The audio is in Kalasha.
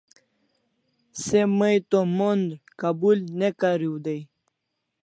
Se may to mondr Kabul ne kariu day